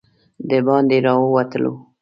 د باندې راووتلو.